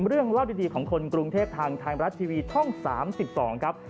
เรื่องเล่าดีของคนกรุงเทพทางไทยรัฐทีวีช่อง๓๒ครับ